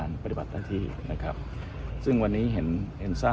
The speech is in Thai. มองว่าเป็นการสกัดท่านหรือเปล่าครับเพราะว่าท่านก็อยู่ในตำแหน่งรองพอด้วยในช่วงนี้นะครับ